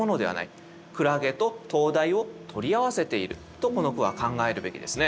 とこの句は考えるべきですね。